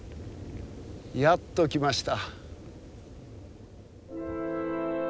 やっと来ました。